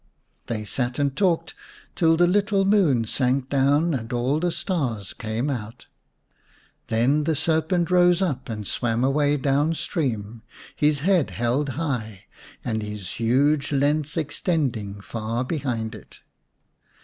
They sat and talked till the little moon sank down and all the stars came out. Then the serpent rose up and swam away down stream, his head held high and his huge length extend ing far behind it.